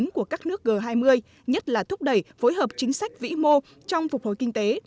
của các nước g hai mươi nhất là thúc đẩy phối hợp chính sách vĩ mô trong phục hồi kinh tế